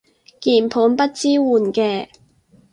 鍵盤不支援嘅